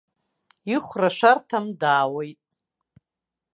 Ихәра шәарҭам, даауеит!